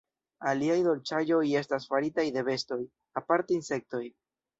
Aliaj dolĉaĵoj estas faritaj de bestoj, aparte insektoj.